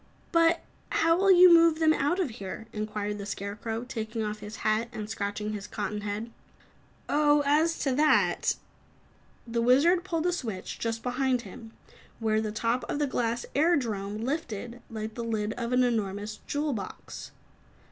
"But how will you move them out of here?" inquired the Scarecrow, taking off his hat and scratching his cotton head. "Oh, as to that " The Wizard pulled a switch just behind him, whereupon the top of the glass airdrome lifted, like the lid of an enormous jewel box.